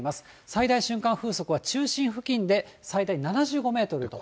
最大瞬間風速は、中心付近で最大７５メートルと。